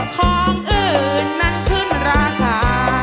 ของอื่นนั้นขึ้นราคา